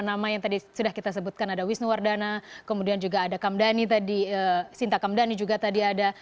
nama yang tadi sudah kita sebutkan ada wisnu wardana kemudian juga ada kamdani tadi sinta kamdani juga tadi ada